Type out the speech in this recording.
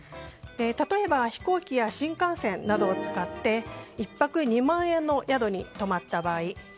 例えば、飛行機や新幹線などを使って１泊２万円の宿に泊まった場合。